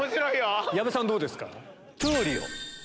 矢部さんどうですか？